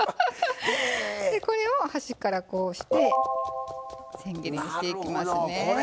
でこれを端からこうしてせん切りにしていきますね。